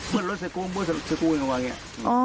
เบิ้ลรถใส่กูใส่กูไงวะ